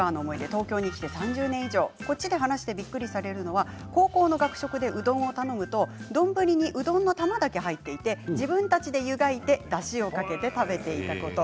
東京都に来て３０年以上こっちに来てびっくりされるのは高校の学食でうどんを頼むととんぶりにうどんの玉だけ入っていて自分たちでゆがいてだしをかけて食べていたこと。